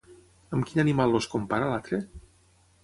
Amb quin animal els compara l'altre?